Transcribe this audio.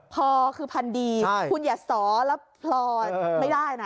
พอคือพันดีคุณอย่าสอแล้วพลอไม่ได้นะ